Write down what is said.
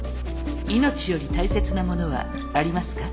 命より大切なものはありますか？